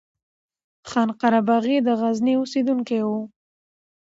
خان قرباغی د غزني اوسيدونکی وو